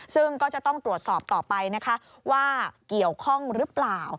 ซึ่งก็จะต้องตรวจสอบต่อไปนะคะว่าเกี่ยวข้องหรือเปล่า